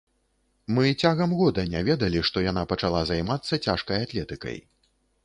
Мы цягам года не ведалі, што яна пачала займацца цяжкай атлетыкай.